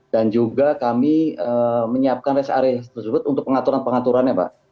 dan juga kami menyiapkan res area tersebut untuk pengaturan pengaturan ya pak